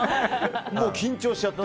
緊張しちゃって。